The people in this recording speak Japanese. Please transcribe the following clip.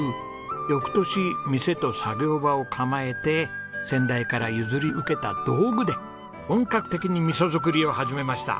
翌年店と作業場を構えて先代から譲り受けた道具で本格的に味噌作りを始めました。